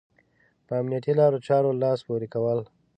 په امنيتي لارو چارو لاس پورې کول.